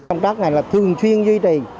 công tác này là thường xuyên duy trì